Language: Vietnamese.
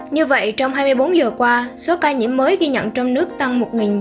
như vậy trong hai mươi bốn giờ qua số ca nhiễm mới ghi nhận trong nước tăng một bốn trăm sáu mươi bốn